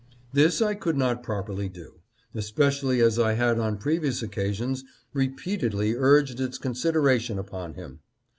This I could not properly do, especially as I had on previous occa sions repeatedly urged its consideration upon him.